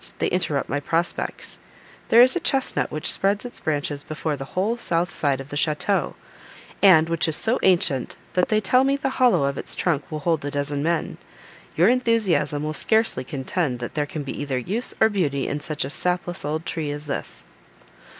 they interrupt my prospects. There is a chesnut which spreads its branches before the whole south side of the château, and which is so ancient that they tell me the hollow of its trunk will hold a dozen men. Your enthusiasm will scarcely contend that there can be either use, or beauty, in such a sapless old tree as this."